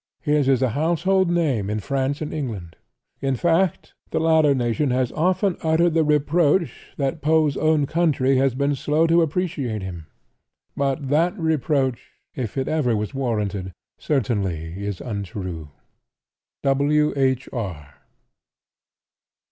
His is a household name in France and England—in fact, the latter nation has often uttered the reproach that Poe's own country has been slow to appreciate him. But that reproach, if it ever was warranted, certainly is untrue. W. H. R.